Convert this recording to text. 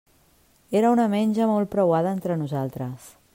Era una menja molt preuada entre nosaltres.